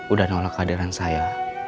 udah nolak hadiran saya